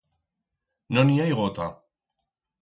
No n'i hai gota.